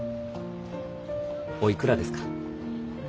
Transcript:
おいくらですか？